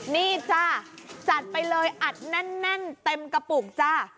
นี่จ้ะจัดไปเลยอัดแน่นเต็มกระปุกจ้า